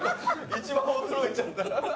一番驚いちゃった。